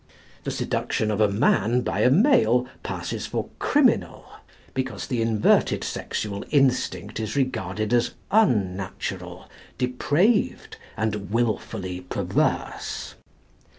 The seduction of a man by a male passes for criminal, because the inverted sexual instinct is regarded as unnatural, depraved, and wilfully perverse.